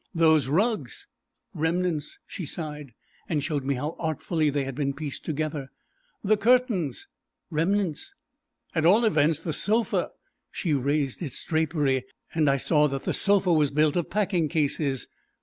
"Those rugs " "Remnants," she sighed, and showed me how artfully they had been pieced together. "The curtains " "Remnants." "At all events the sofa " She raised its drapery, and I saw that the sofa was built of packing cases.